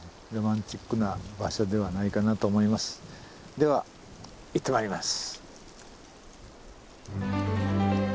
では行ってまいります。